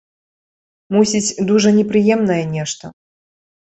Мусіць, дужа непрыемнае нешта?